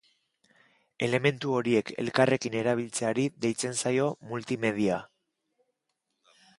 Elementu horiek elkarrekin erabiltzeari deitzen zaio multimedia.